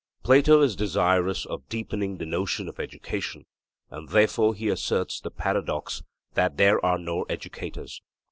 Plato is desirous of deepening the notion of education, and therefore he asserts the paradox that there are no educators.